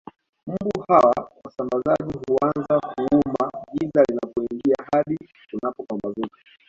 Mbu hawa wasambazaji huanza kuuma giza linapoingia hadi kunapopambazuka